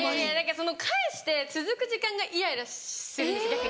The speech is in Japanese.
その返して続く時間がイライラするんです逆に。